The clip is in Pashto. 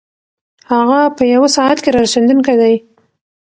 هغه په یوه ساعت کې رارسېدونکی دی.